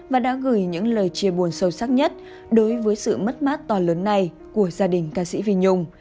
và đã gửi những lời chia buồn sâu sắc nhất đối với sự mất mát to lớn này của gia đình ca sĩ vi nhung